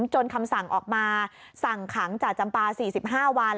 คำสั่งออกมาสั่งขังจ่าจำปา๔๕วัน